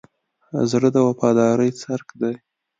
زړه د وفادارۍ څرک دی.